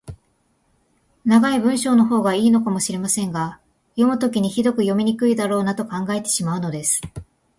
長い文章のほうが良いのかもしれませんが、読むときにひどく読みにくいだろうなと考えてしまうのです。